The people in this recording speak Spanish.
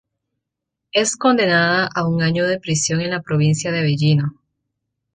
Es condenada a un año de prisión en la provincia de Avellino.